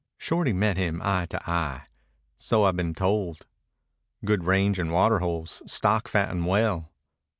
Shorty met him eye to eye. "So I've been told." "Good range and water holes. Stock fatten well."